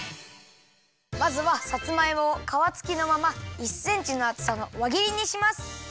まずはさつまいもをかわつきのまま１センチのあつさのわぎりにします。